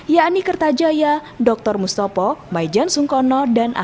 yakni kertajaya doktor mustopo maijan sungkono dan ahmad